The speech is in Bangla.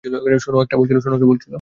শোনো, এটা একটা ভুল ছিলো।